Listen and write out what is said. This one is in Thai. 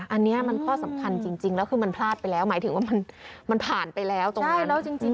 อันนี้มันข้อสำคัญจริงแล้วคือมันพลาดไปแล้วหมายถึงว่ามันผ่านไปแล้วตรงนี้แล้วจริง